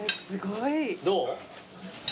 どう？